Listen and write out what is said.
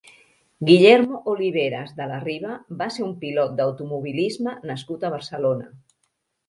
Guillermo Oliveras de la Riva va ser un pilot d'automobilisme nascut a Barcelona.